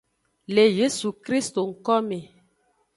Le yesu krist ngkome.